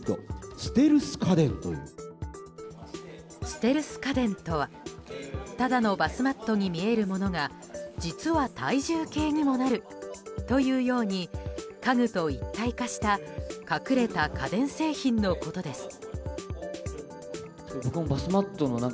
ステルス家電とはただのバスマットに見えるものが実は体重計にもなるというように家具と一体化した隠れた家電製品のことです。